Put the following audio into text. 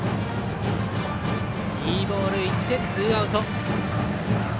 いいボールいってツーアウト。